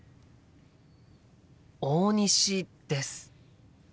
大西です。